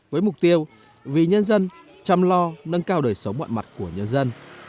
với mục tiêu vì nhân dân chăm lo nâng cao đời sống mọi mặt của nhân dân